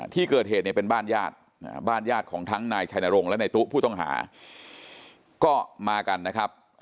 ที่เกิดเหตุเนี่ยเป็นบ้านญาติบ้านญาติของทั้งนายชัยนรงค์และนายตู้ผู้ต้องหาก็มากันนะครับ